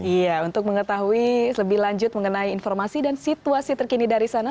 iya untuk mengetahui lebih lanjut mengenai informasi dan situasi terkini dari sana